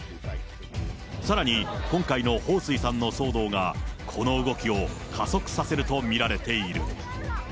さらに今回の彭帥さんの騒動が、この動きを加速させると見られている。